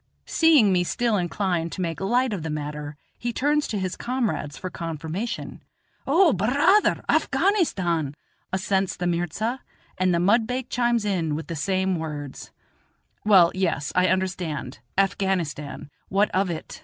Seeing me still inclined to make light of the matter, he turns to his comrades for confirmation. "O, bur raa ther, Afghanistan," assents the mirza; and the mudbake chimes in with the same words. "Well, yes, I understand; Afghanistan what of it?"